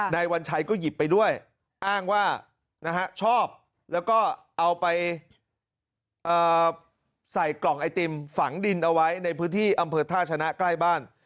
วัญชัยก็หยิบไปด้วยอ้างว่าชอบแล้วก็เอาไปใส่กล่องไอติมฝังดินเอาไว้ในพื้นที่อำเภอท่าชนะใกล้บ้าน